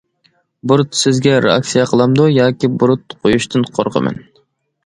-بۇرۇت سىزگە رېئاكسىيە قىلامدۇ ياكى. -بۇرۇت قويۇشتىن قورقىمەن.